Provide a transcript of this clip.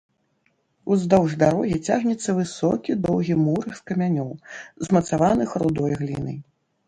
Уздоўж дарогі цягнецца высокі доўгі мур з камянёў, змацаваных рудой глінай.